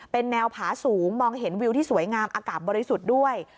เป็นแนวผาสูงมองเห็นวิวที่สวยงามอากาศบริสุทธิ์ด้วย